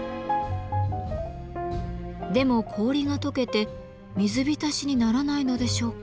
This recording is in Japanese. でも氷がとけて水浸しにならないのでしょうか？